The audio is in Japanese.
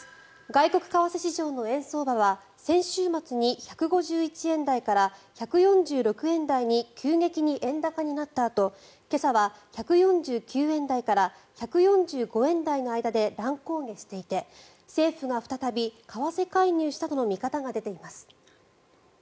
外国為替市場の円相場は先週末に１５１円台から１４６円台に急激に円高になったあと今朝は１４９円台から１４５円台の間で乱高下していて政府が再び為替介入したとの見方が出ています。